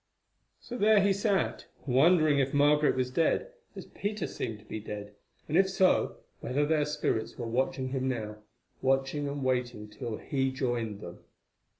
So there he sat, wondering if Margaret was dead, as Peter seemed to be dead, and if so, whether their spirits were watching him now, watching and waiting till he joined them.